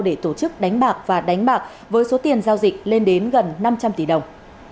để tổ chức đánh bạc và đánh bạc với số tiền giao dịch lên đến gần năm trăm linh tỷ đồng